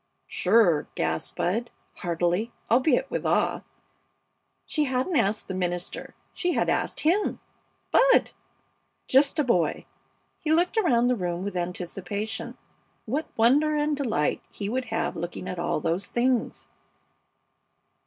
"Sure!" gasped Bud, heartily, albeit with awe. She hadn't asked the minister; she had asked him Bud! Just a boy! He looked around the room with anticipation. What wonder and delight he would have looking at all those things!